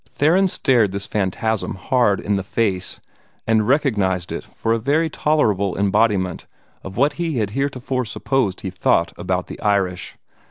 Theron stared this phantasm hard in the face, and recognized it for a very tolerable embodiment of what he had heretofore supposed he thought about the Irish.